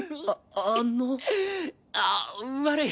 ああ悪い。